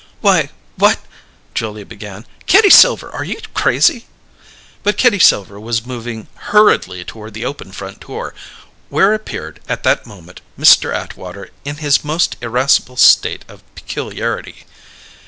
"Why, what " Julia began. "Kitty Silver, are you crazy?" But Kitty Silver was moving hurriedly toward the open front door, where appeared, at that moment, Mr. Atwater in his most irascible state of peculiarity.